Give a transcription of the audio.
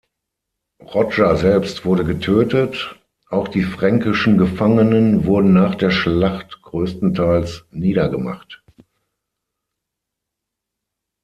Roger selbst wurde getötet; auch die fränkischen Gefangenen wurden nach der Schlacht größtenteils niedergemacht.